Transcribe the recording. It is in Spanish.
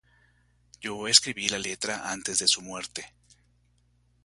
Yo escribí la letra antes de su muerte.